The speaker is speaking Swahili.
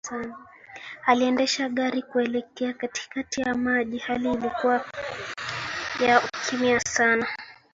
Aliendesha gari kuelekea katikati ya mji hali ilikuwa ya ukimya sana